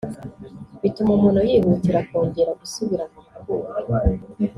bituma umuntu yihutira kongera gusubira mu rukundo